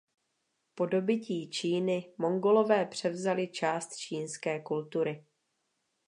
Po dobytí Číny Mongolové převzali část čínské kultury.